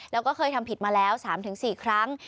แล้วก็เคยทำผิดมาแล้วสามถึงสี่ครั้ง